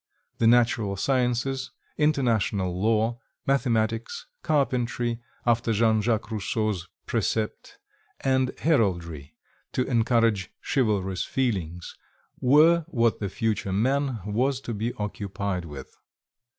The natural sciences, international law, mathematics, carpentry, after Jean Jacques Rousseau's precept, and heraldry, to encourage chivalrous feelings, were what the future "man" was to be occupied with.